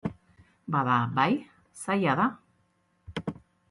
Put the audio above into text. Bada, bai, zaila da.